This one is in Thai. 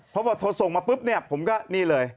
พอบอกโทรส่งมาปุ๊บเนี่ยผมก็นี่เลย